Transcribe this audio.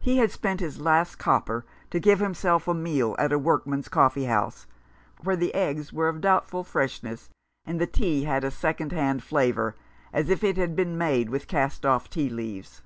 He had spent his last copper to give himself a meal at a work man's coffee house, where the eggs were of doubt ful freshness, and the tea had a second hand flavour, as if it had been made with cast off tea leaves.